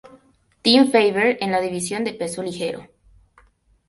Team Faber en la división de peso ligero.